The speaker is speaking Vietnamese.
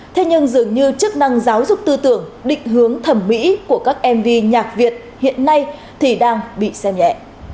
thế nhưng dường như chức năng giáo dục tư tưởng định hướng thẩm mỹ của các mv nhạc việt hiện nay thì đang bị xem nhẹ